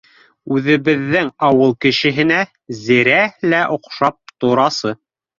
—Үҙебеҙҙең ауыл кешеһенә зерә лә оҡшап торасы